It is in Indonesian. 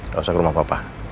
gak usah ke rumah bapak